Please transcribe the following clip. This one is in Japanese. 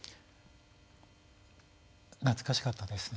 懐かしかったですね。